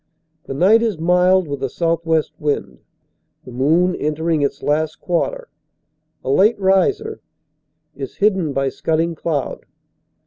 The night is mild with a southwest wind. The moon, entering its last quarter, a late riser, is hidden by scudding cloud.